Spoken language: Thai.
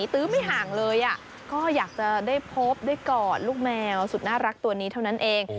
ตื้อไม่ห่างเลยก็อยากจะได้พบได้กอดลูกแมวสุดน่ารักตัวนี้เท่านั้นเอง